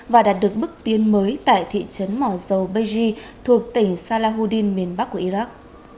và đạt được bước tiến mới tại thị trấn mò dầu béji thuộc tỉnh salahuddin miền bắc của iraq